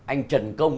anh trần công